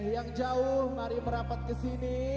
yang jauh mari merapat kesini